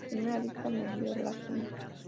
A primera vista me dio lástima.